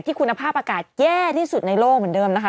คุณภาพอากาศแย่ที่สุดในโลกเหมือนเดิมนะคะ